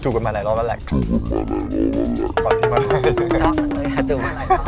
ชอบจังเลยฮะจูบกันหลายรอป